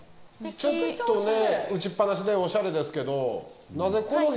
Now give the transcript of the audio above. ちょっとね打ちっ放しでオシャレですけど。